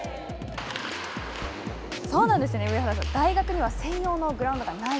そうなんですね、大学には専用のグラウンドがない。